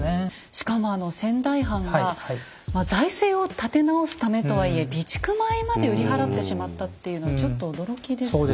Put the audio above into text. しかも仙台藩が財政を立て直すためとはいえ備蓄米まで売り払ってしまったっていうのはちょっと驚きですね。